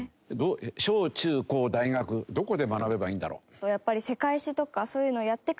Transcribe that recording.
小中高大学どこで学べばいいんだろう？